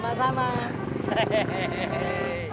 makasih ya pak